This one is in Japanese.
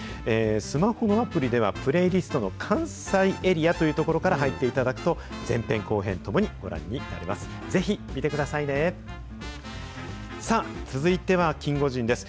スマホのアプリではプレーリストの関西エリアという所から入っていただくと、前編後編、ともにご覧になれます。